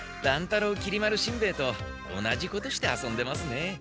太郎きり丸しんべヱと同じことして遊んでますね。